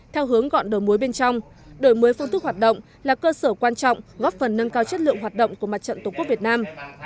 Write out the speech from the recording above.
theo hướng gọn đầu mối bên trong đổi mới phương thức hoạt động là cơ sở quan trọng góp phần nâng cao chất lượng hoạt động của mặt trận tổ quốc việt nam